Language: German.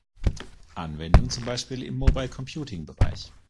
Anwendung zum Beispiel im mobile computing Bereich.